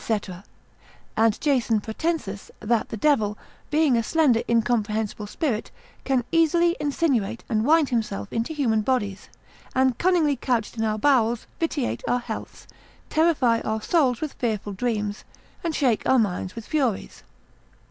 And Jason Pratensis, that the devil, being a slender incomprehensible spirit, can easily insinuate and wind himself into human bodies, and cunningly couched in our bowels vitiate our healths, terrify our souls with fearful dreams, and shake our minds with furies.